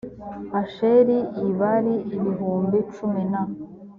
asheri l bari ibihumbi cumi na